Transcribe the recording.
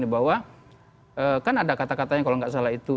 bahwa kan ada kata katanya kalau nggak salah itu